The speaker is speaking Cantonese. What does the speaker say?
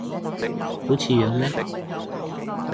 好似樣咩